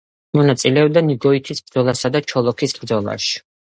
მონაწილეობდა ნიგოითის ბრძოლასა და ჩოლოქის ბრძოლაში.